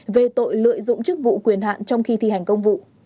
về tội lợi dụng chức vụ quyền hạn trong khi thi hành công vụ